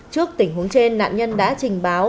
trước tình huống trên nạn nhân đã trình báo